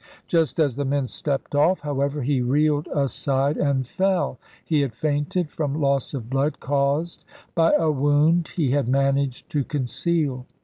Just as the men stepped off, however, he reeled aside and fell. He had fainted from loss of blood caused by a wound he had managed to conceal.